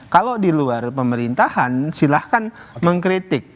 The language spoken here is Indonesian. kalau di luar pemerintahan silahkan mengkritik